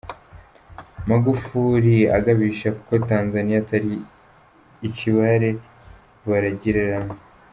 Magufuli agabisha ko Tanzaniya atari icibare baragiriramwo.